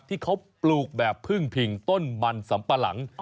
ที่เขาปลูกแบบพึ่งพิงต้นมันสำปะหลัง